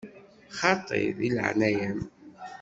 Xaṭi, deg leɛnaya-m!